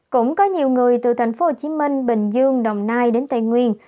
cũng có nhiều người từ tp hcm bình dương đồng nai đến tây nguyên